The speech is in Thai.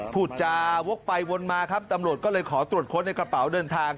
พูดจาวกไปวนมาครับตำรวจก็เลยขอตรวจค้นในกระเป๋าเดินทาง